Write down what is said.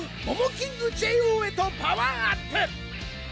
モモキングＪＯへとパワーアップ。